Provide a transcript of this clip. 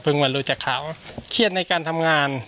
เพิ่งวันรู้จากข่าวเครียดในการทำงาน